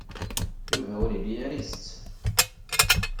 Yuba ur yelli ara isett.